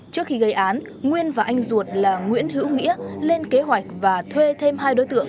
trước khi gây án nguyên và anh ruột là nguyễn hữu nghĩa lên kế hoạch và thuê thêm hai đối tượng